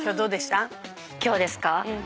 今日ですか？